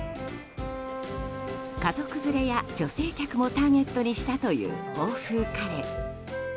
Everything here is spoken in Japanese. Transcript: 家族連れや女性客もターゲットにしたという欧風カレー。